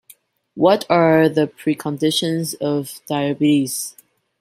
What are the preconditions of diabetes?